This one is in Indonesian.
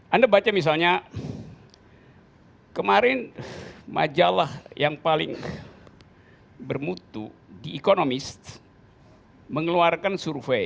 anda baca misalnya kemarin majalah yang paling bermutu di ekonomis mengeluarkan survei